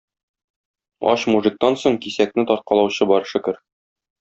Ач мужиктан соң кисәкне тарткалаучы бар, шөкер!